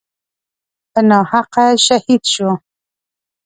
په ناحقه شهید شو.